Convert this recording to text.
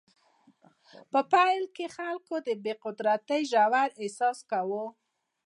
په پیل کې خلک د بې قدرتۍ ژور احساس کوي.